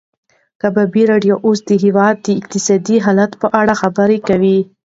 د کبابي راډیو اوس د هېواد د اقتصادي حالت په اړه خبرې کوي.